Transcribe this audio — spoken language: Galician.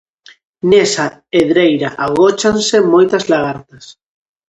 Nesa hedreira agóchanse moitas lagartas.